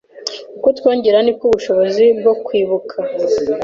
uko twiyongera niko n’ubushobozi bwo kwibuka